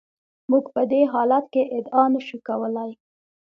موږ په دې حالت کې ادعا نشو کولای.